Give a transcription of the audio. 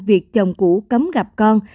việc chồng cũ cấm gặp con